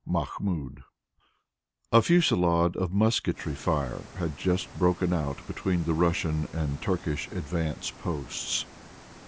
MAHMOUD A fusillade of musketry fire had just broken out between the Russian and Turkish advance posts.